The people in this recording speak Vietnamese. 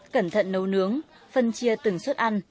cẩn thận nấu nướng phân chia từng suất ăn